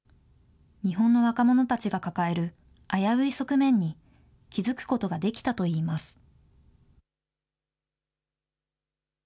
日本の若者たちが抱える危うい側面に気付くことができたといいます。